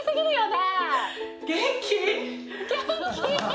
元気！